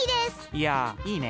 いやいいね。